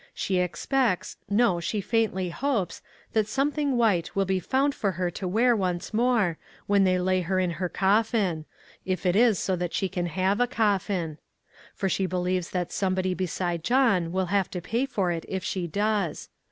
She ex pects, no, she faintl}7 hopes, that some thing white will be found for her to wear once more, when they lay her in her cof THE PAST AND THE PRESENT. 183 iiu; if it is so that she can have a coffin. For she believes that somebody beside John will have to pay for it if she does.